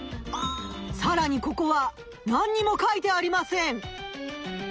さらにここはなんにも書いてありません。